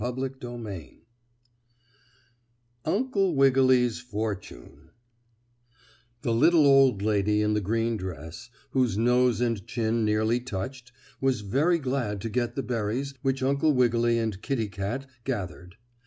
STORY XXXI UNCLE WIGGILY'S FORTUNE The little old lady in the green dress, whose nose and chin nearly touched, was very glad to get the berries which Uncle Wiggily and Kittie Kat gathered.